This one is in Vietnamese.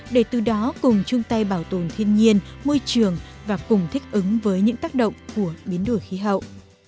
để từ đó cùng chung tay bảo tồn thiên nhiên môi trường và cùng thích ứng với những tác động của biến đổi khí hậu